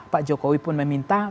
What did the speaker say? pak jokowi pun meminta